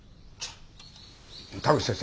田口先生